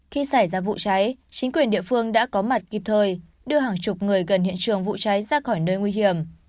khi xảy ra vụ cháy chính quyền địa phương đã có mặt kịp thời đưa hàng chục người gần hiện trường vụ cháy ra khỏi nơi nguy hiểm